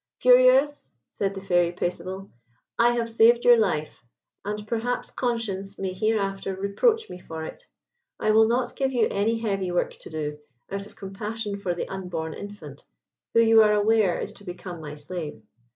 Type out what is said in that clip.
"Furieuse," said the Fairy Paisible, "I have saved your life, and perhaps conscience may hereafter reproach me for it. I will not give you any heavy work to do, out of compassion for the unborn infant, who you are aware is to become my slave.